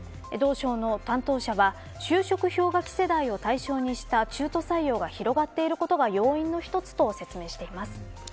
同省の担当者は就職氷河期世代を対象にした中途採用が広がっていることが要因の一つと説明しています。